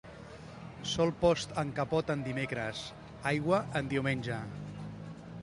Sol post amb capot en dimecres, aigua en diumenge.